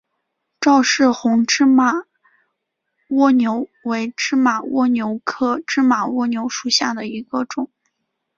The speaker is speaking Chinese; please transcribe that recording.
赵氏红芝麻蜗牛为芝麻蜗牛科芝麻蜗牛属下的一个种。